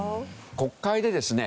国会でですね